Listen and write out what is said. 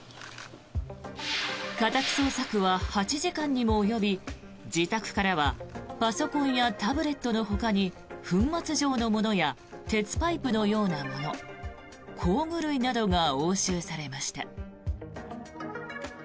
家宅捜索は８時間にも及び自宅からはパソコンやタブレットのほかに粉末状のものや鉄パイプのようなもの工具類などが押収されました。